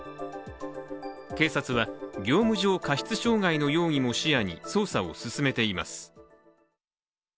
警察は業務上過失傷害の容疑も視野に捜査を進めています。